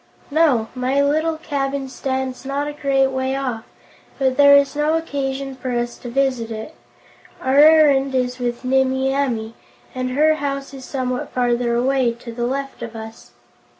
"No; my little cabin stands not a great way off, but there is no occasion for us to visit it. Our errand is with Nimmie Amee, and her house is somewhat farther away, to the left of us."